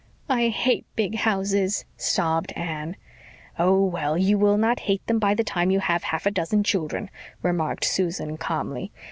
"I hate big houses," sobbed Anne. "Oh, well, you will not hate them by the time you have half a dozen children," remarked Susan calmly.